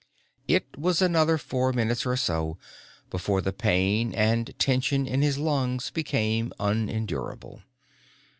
It was another four minutes or so before the pain and tension in his lungs became unendurable.